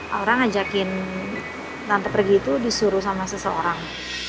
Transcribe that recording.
orang ngajakin tante pergi itu disuruh sama seseorang